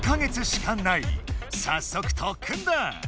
さっそく特訓だ！